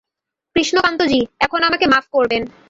কৃষ্ণাকান্ত জি, এখন আমাকে মাফ করবেন।